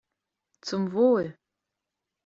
Zum Wohl!